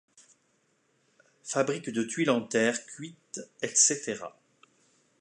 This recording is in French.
Fabriques de tuiles en terre cuite etc.